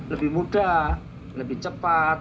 lebih mudah lebih cepat